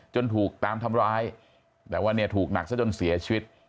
ถูกตามทำร้ายแต่ว่าเนี่ยถูกหนักซะจนเสียชีวิต